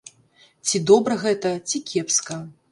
Ці добра гэта, ці кепска?